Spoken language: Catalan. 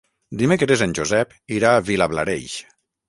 Dimecres en Josep irà a Vilablareix.